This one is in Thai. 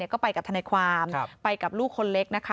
ก็ไปกับธนาความไปกับลูกคนเล็ก